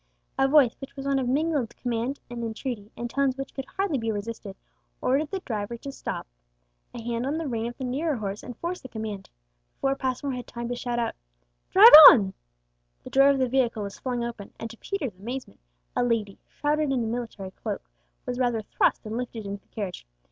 A voice, which was one of mingled command and entreaty, in tones which could scarcely be resisted, ordered the driver to stop. A hand on the rein of the nearer horse enforced the command. Before Passmore had time to shout out "Drive on!" the door of the vehicle was flung open, and to Peter's amazement a lady, shrouded in a military cloak, was rather thrust than lifted into the carriage.